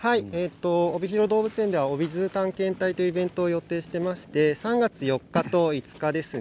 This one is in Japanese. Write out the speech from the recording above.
おびひろ動物園ではおびＺｏｏ探検隊というイベントを予定していまして３月４日と５日ですね。